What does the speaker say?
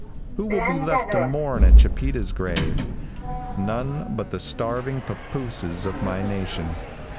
Who will be left to mourn at Chipeta's grave? None but the starving pappooses of my nation.